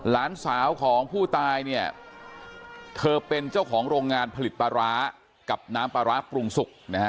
หลานสาวของผู้ตายเนี่ยเธอเป็นเจ้าของโรงงานผลิตปลาร้ากับน้ำปลาร้าปรุงสุกนะฮะ